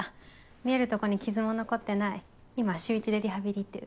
見えるとこに傷も残ってない今週１でリハビリ行ってる。